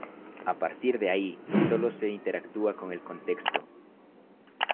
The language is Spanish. A partir de ahí, solo se interactúa con el contexto.